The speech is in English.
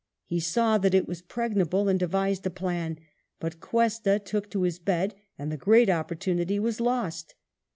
He saw that it was pregnable and devised a plan, but Cuesta took to his bed, and the great opportunity was lost.